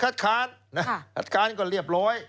คัดค้านก็เรียบร้อย